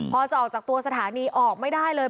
พอจะออกจากตัวสถานีออกไม่ได้เลย